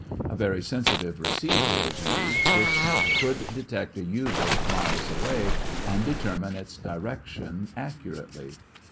A very sensitive receiver was used which could detect a U boat miles away and determine its direction accurately.